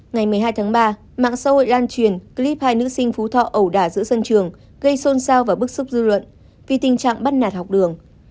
ngày một mươi hai tháng ba mạng xã hội lan truyền clip hai nữ sinh phú thọ ẩu đả giữa sân trường gây xôn xao và bức xúc dư luận vì tình trạng bắt nạt học đường